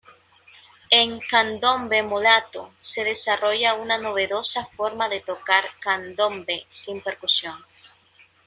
En "Candombe mulato" se desarrolla una novedosa forma de tocar candombe sin percusión.